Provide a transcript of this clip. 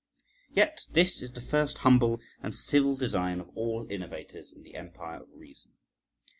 Yet this is the first humble and civil design of all innovators in the empire of reason.